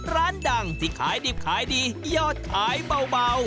ร้านดังที่ขายดิบขายดียอดขายเบา